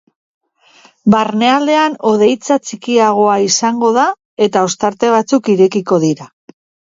Barnealdean hodeitza txikiagoa izango da eta ostarte batzuk irekiko dira.